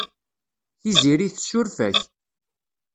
Tiziri tessuref-ak.